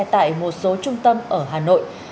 tại một số trung tâm ở hà nội